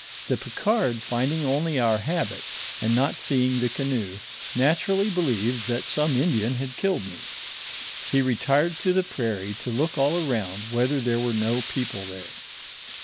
The Picard finding only our habit, and not seeing the canoe, naturally believed that some Indian had killed me. He retired to the prairie to look all around whether there were no people there.